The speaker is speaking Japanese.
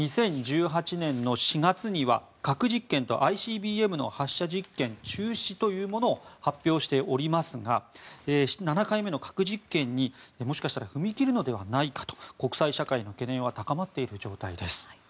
２０１８年の４月には核実験とＩＣＢＭの発射実験中止というものを発表しておりますが７回目の核実験に、もしかしたら踏み切るのではないかと国際社会の懸念は高まっている状態です。